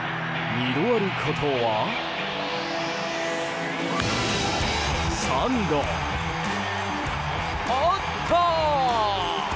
２度あることは３度あった！